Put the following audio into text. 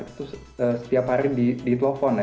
itu setiap hari di telepon ya